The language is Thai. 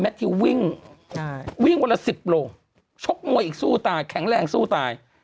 แมททิววิ่งใช่วิ่งกว่าละสิบโปร่งชกมวยอีกสู้ตายแข็งแรงสู้ตาย